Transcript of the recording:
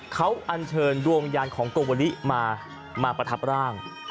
เขาอันเชิญดวงวิญญาณของโกวลิมาประทับร่าง